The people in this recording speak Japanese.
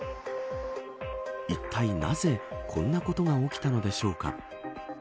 いったいなぜこんなことが起きたのでしょうか。